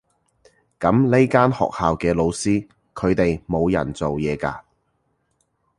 噉呢間學校嘅老師，佢哋冇人做嘢㗎？